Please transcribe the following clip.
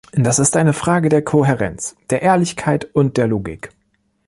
Das ist eine Frage der Kohärenz, der Ehrlichkeit und der Logik.